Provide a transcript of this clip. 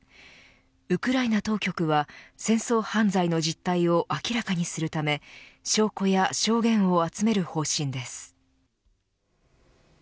ウクライナ当局は戦争犯罪の実態を明らかにするため証拠や証言を集める方針です。